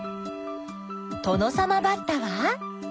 トノサマバッタは？